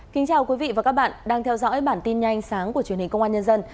kính chào quý vị và các bạn đang theo dõi bản tin nhanh sáng của truyền hình công an nhân dân